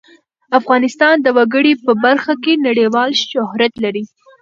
افغانستان د وګړي په برخه کې نړیوال شهرت لري.